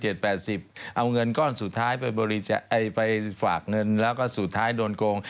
เอาเงินก้อนสุดท้ายไปฝากเงินแล้วก็สุดท้ายโดนโกง